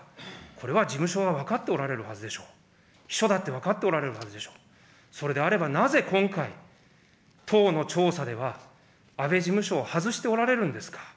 これは事務所が分かっておられるはずでしょう、秘書だって分かっておられるはずでしょ、それであれば、なぜ今回、党の調査では、安倍事務所を外しておられるんですか。